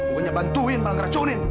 pokoknya bantuin malah ngeracunin